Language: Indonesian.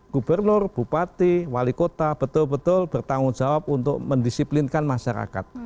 gubernur bupati wali kota betul betul bertanggung jawab untuk mendisiplinkan masyarakat